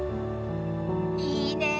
いいねぇ。